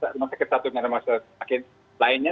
rumah sakit satu dan rumah sakit lainnya